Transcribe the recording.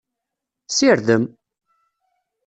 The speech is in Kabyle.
Sirdem!